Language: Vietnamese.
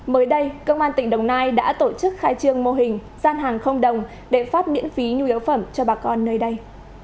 mới đây công an tỉnh đồng nai đã tổ chức khai trương mô hình gian hàng không đồng để phát miễn phí nhu yếu phẩm cho bà con nơi đây